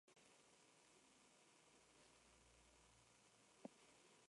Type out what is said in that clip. El fuego quemó los edificios más importantes de la "Marina de Ponce".